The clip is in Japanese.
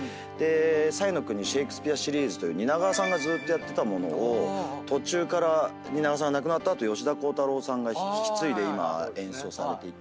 彩の国シェイクスピア・シリーズという蜷川さんがずーっとやってたものを途中から蜷川さんが亡くなった後吉田鋼太郎さんが引き継いで今演出をされていて。